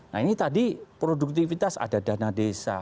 nah ini tadi produktivitas ada dana desa